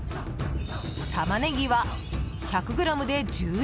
タマネギは、１００ｇで１１円。